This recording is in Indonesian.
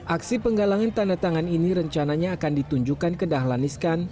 aksi penggalangan tanda tangan ini rencananya akan ditunjukkan ke dahlan iskan